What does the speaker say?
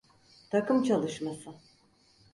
Takım çalışması.